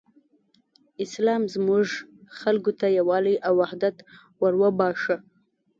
اسلام زموږ خلکو ته یووالی او حدت وروباښه.